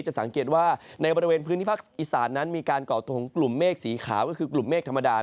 จะสังเกตว่าในบริเวณพื้นที่ภาคอีสานนั้นมีการก่อตัวของกลุ่มเมฆสีขาวก็คือกลุ่มเมฆธรรมดา